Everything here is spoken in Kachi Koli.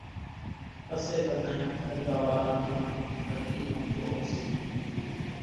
پسي ٻڌانئين ۮنڳا واران نين ڀڳتي نون ڪيوون سي،